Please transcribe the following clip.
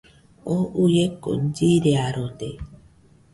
Oo uieko chiriarode.